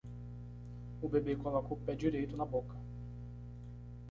O bebê coloca o pé direito na boca.